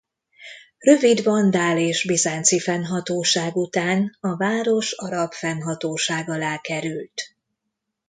Rövid vandál és bizánci fennhatóság után a város arab fennhatóság alá került.